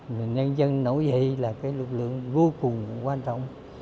mà nhân dân nổi dậy là cái lực lượng vô cùng quan trọng